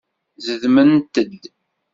Zedment-d.